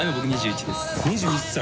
２１歳。